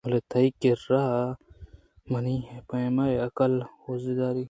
بلے تئی کِر¬ّا منی پیمیں عقل ءُہُژاری